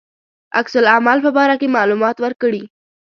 عکس العمل په باره کې معلومات ورکړي.